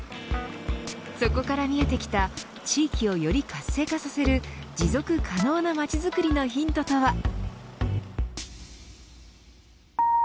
そこから見えてきた地域をより活性化させる持続可能なまちづくりのヒントとは。